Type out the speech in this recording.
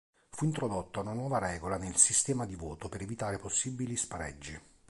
Fu introdotta una nuova regola nel sistema di voto per evitare possibili spareggi.